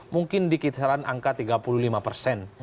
mungkin di kisaran angka tiga puluh lima persen